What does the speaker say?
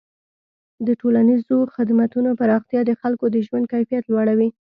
د ټولنیزو خدمتونو پراختیا د خلکو د ژوند کیفیت لوړوي.